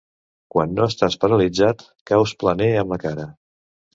Quan no estàs paralitzat, caus planer amb la cara.